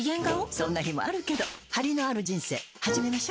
そんな日もあるけどハリのある人生始めましょ。